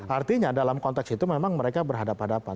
artinya dalam konteks itu memang mereka berhadapan hadapan